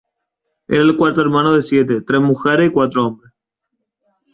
Era el cuarto hermano de siete; tres mujeres y cuatro hombres.